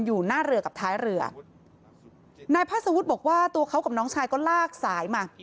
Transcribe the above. อยู่หน้าเรือกับท้ายเรือนายพาสวุฒิบอกว่าตัวเขากับน้องชายก็ลากสายมา